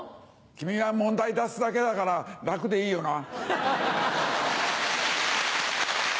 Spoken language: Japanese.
君は問題出すだけだから楽でいいよな。